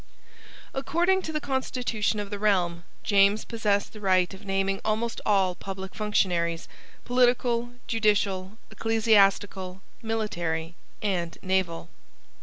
According to the constitution of the realm, James possessed the right of naming almost all public functionaries, political, judicial, ecclesiastical, military, and naval.